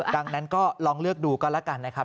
ดังนั้นก็ลองเลือกดูก็แล้วกันนะครับ